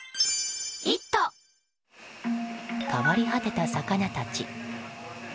変わり果てた魚たち。